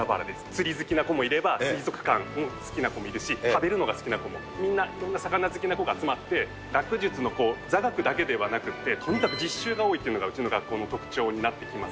釣り好きな子もいれば、水族館好きな子もいるし、食べるのが好きな子も、みんな、いろんな魚好きの子が集まって、学術の座学だけではなくって、とにかく実習が多いというのが、この学校の特徴になってきます。